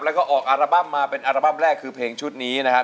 แล้วก็ออกอัลบั้มมาเป็นอัลบั้มแรกคือเพลงชุดนี้นะครับ